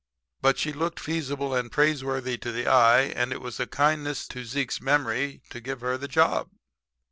But she looked feasible and praiseworthy to the eye, and it was a kindness to Zeke's memory to give her the job.